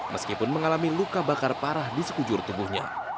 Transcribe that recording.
meskipun mengalami luka bakar parah di sekujur tubuhnya